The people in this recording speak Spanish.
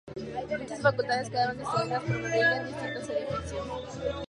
Muchas facultades quedaron distribuidas por Madrid en distintos edificios.